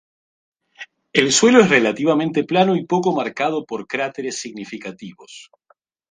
El suelo es relativamente plano y poco marcado por cráteres significativos.